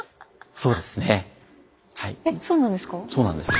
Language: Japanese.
そうなんです。